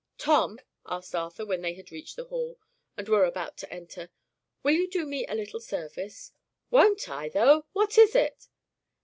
"Tom," asked Arthur, when they had reached the hall, and were about to enter: "will you do me a little service?" "Won't I, though! what is it?"